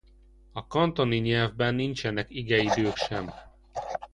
A kantoni nyelvben nincsenek igeidők sem.